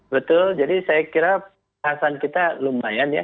betul jadi saya kira bahasan kita lumayan ya